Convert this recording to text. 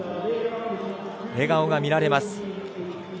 笑顔が見られます。